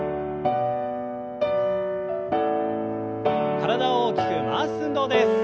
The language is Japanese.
体を大きく回す運動です。